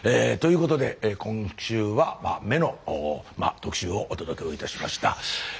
ということで今週は「目」の特集をお届けをいたしました。